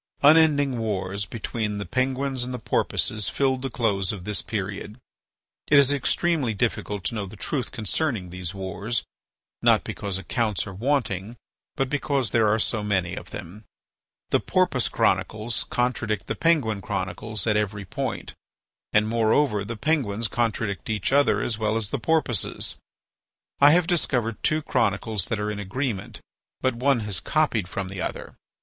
Unending wars between the Penguins and the Porpoises filled the close of this period. It is extremely difficult to know the truth concerning these wars, not because accounts are wanting, but because there are so many of them. The Porpoise Chronicles contradict the Penguin Chronicles at every point. And, moreover, the Penguins contradict each other as well as the Porpoises. I have discovered two chronicles that are in agreement, but one has copied from the other.